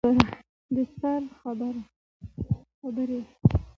د سر خبرې